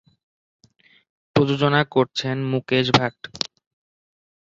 প্রযোজনা করেছেন মুকেশ ভাট।